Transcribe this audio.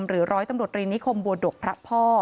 ร้อยตำรวจรีนิคมบัวดกพระพ่อ